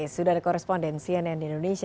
sudah ada korespondensi yang di indonesia